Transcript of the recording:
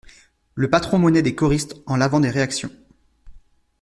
Le patron monnaie des choristes en lavant des réactions.